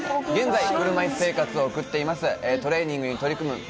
現在、車いす生活を送っています。